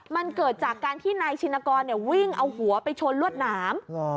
มันเกิดจากการที่นายชินกรวิ่งเอาหัวไปชนลวดหนาม